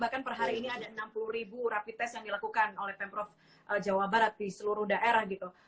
bahkan per hari ini ada enam puluh ribu rapid test yang dilakukan oleh pemprov jawa barat di seluruh daerah gitu